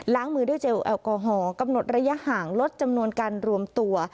มือด้วยเจลแอลกอฮอล์กำหนดระยะห่างลดจำนวนการรวมตัว